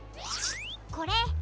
これ。